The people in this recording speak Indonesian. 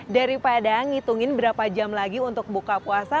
daripada ngitungin berapa jam lagi untuk buka puasa